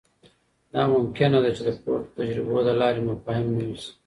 دا ممکنه ده چې د پورته تجربو له لارې مفاهیم نوي سي.